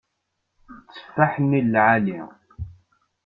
Tteffaḥ-nni lɛali.